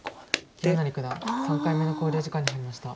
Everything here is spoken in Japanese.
清成九段３回目の考慮時間に入りました。